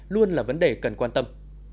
luôn là vấn đề cần quan tâm